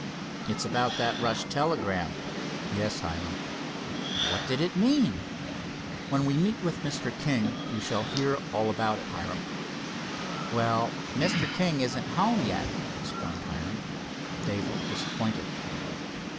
"It's about that rush telegram?" "Yes, Hiram." "What did it mean?" "When we meet with Mr. King you shall, hear all about it, Hiram." "Well, Mr. King isn't home yet," explained Hiram. Dave looked disappointed.